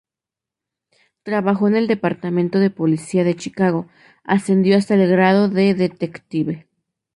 Trabajó en el Departamento de Policía de Chicago, ascendiendo hasta el grado de detective.